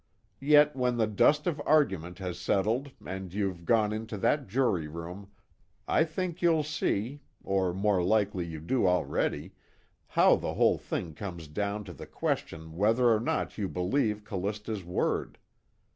Yet when the dust of argument has settled and you've gone into that jury room, I think you'll see or more likely you do already how the whole thing comes down to the question whether or not you believe Callista's word.